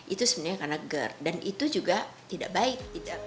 itu sebenarnya karena gerd dan itu juga tidak baik